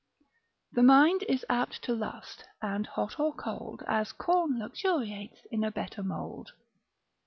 The mind is apt to lust, and hot or cold, As corn luxuriates in a better mould.